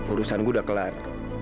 urusan gua udah kelar